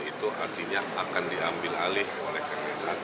itu artinya akan diambil alih oleh kemenhan